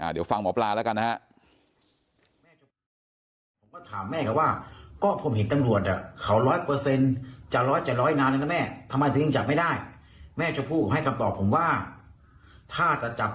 เดี๋ยวฟังหมอปลาแล้วกันนะครับ